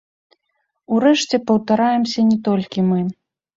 Урэшце, паўтараемся не толькі мы.